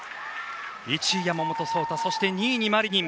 １位に山本草太２位にマリニン。